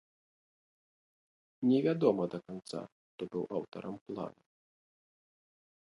Невядома да канца, хто быў аўтарам плану.